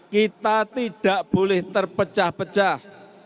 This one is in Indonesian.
kita tidak boleh terpecah pecah